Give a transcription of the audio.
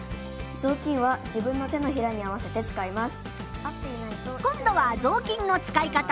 「ぞうきんは自分の手のひらに合わせて使います」。